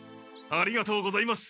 ありがとうございます。